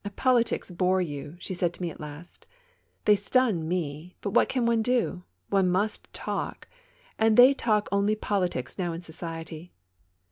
"Politics bore you," she said to me at last. "They stun me. But what can one do? — one must talk, and they talk only politics now in society."